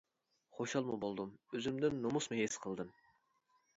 خۇشالمۇ بولدۇم، ئۆزۈمدىن نومۇسمۇ ھېس قىلدىم.